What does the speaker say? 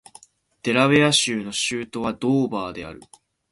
デラウェア州の州都はドーバーである